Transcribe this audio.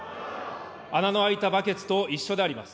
穴の開いたバケツと一緒であります。